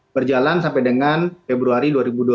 berjalan sampai dengan februari dua ribu dua puluh